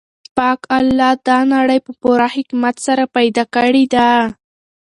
پاک الله دا نړۍ په پوره حکمت سره پیدا کړې ده.